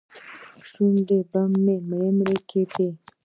شونډې به مې مرۍ مرۍ کېدې.